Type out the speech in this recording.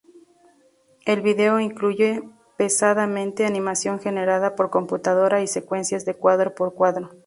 El video incluye pesadamente animación generada por computadora y secuencias de cuadro por cuadro.